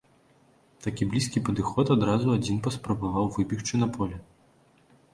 Такі блізкі падыход, адразу адзін паспрабаваў выбегчы на поле.